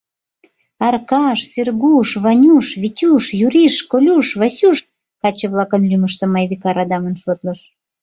Аркаш, Сергуш, Ванюш, Витюш, Юриш, Колюш, Васюш! — каче-влакын лӱмыштым Айвика радамын шотлыш.